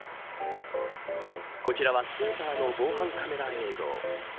こちらはスーパーの防犯カメラ映像。